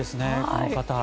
この方。